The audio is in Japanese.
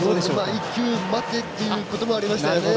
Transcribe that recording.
１球待てっていうこともありましたよね。